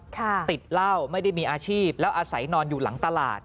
ติดเหล้าไม่ได้มีอาชีพแล้วอาศัยนอนอยู่หลังตลาด